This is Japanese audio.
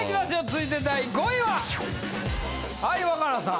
続いて第５位は！